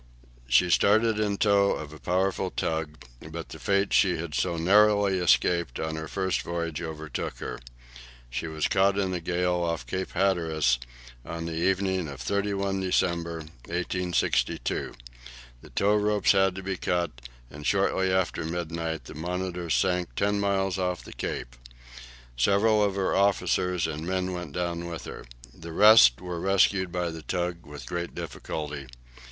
She started in tow of a powerful tug, but the fate she had so narrowly escaped on her first voyage overtook her. She was caught in a gale off Cape Hatteras on the evening of 31 December, 1862. The tow ropes had to be cut, and shortly after midnight the "Monitor" sank ten miles off the Cape. Several of her officers and men went down with her. The rest were rescued by the tug, with great difficulty.